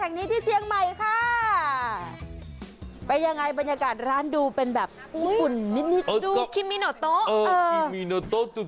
แห่งนี้ที่เชียงใหม่ค่ะไปยังไงบรรยากาศร้านดูเป็นแบบญี่ปุ่นนิดนิดดูคิมโต๊ะ